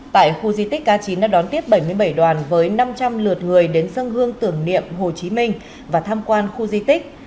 tại khu di tích cá chín đã đón tiếp bảy mươi bảy đoàn với năm trăm linh lượt người đến sân hương tưởng niệm hồ chí minh và tham quan khu di tích